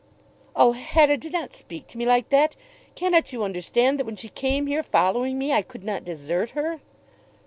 "Oh, Hetta, do not speak to me like that! Cannot you understand that when she came here, following me, I could not desert her?"